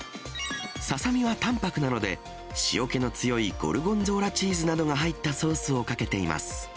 ささみはたんぱくなので、塩気の強いゴルゴンゾーラチーズなどが入ったソースをかけています。